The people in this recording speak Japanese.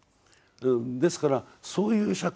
ですからそういう社会。